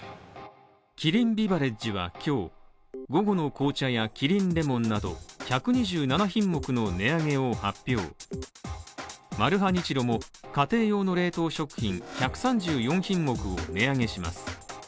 キリンビバレッジは今日午後の紅茶やキリンレモンなど１２７品目の値上げを発表マルハニチロも家庭用の冷凍食品１３４品目を値上げします。